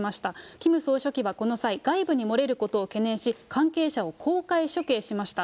キム総書記はこの際、外部に漏れることを懸念し、関係者を公開処刑しました。